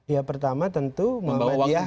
ya pertama tentu muhammadiyah